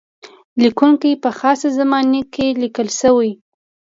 لیکونکی په خاصه زمانه کې لیکل شوی.